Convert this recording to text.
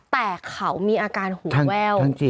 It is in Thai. แต่เขามีอาการหูแว่ว